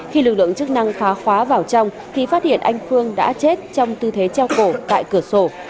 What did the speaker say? khi lực lượng chức năng phá khóa vào trong thì phát hiện anh phương đã chết trong tư thế treo cổ tại cửa sổ